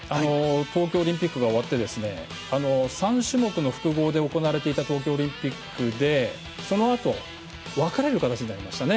東京オリンピックが終わって３種目の複合で行われていた東京オリンピックでそのあと分かれる形になりましたね。